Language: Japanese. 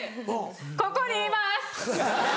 ここにいます！